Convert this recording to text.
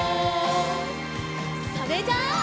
それじゃあ。